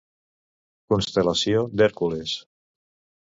Constel·lació d'Hèrcules.